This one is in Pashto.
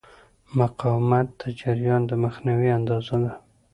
مقاومت د جریان د مخنیوي اندازه ده.